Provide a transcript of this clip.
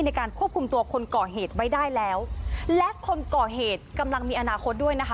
ในการควบคุมตัวคนก่อเหตุไว้ได้แล้วและคนก่อเหตุกำลังมีอนาคตด้วยนะคะ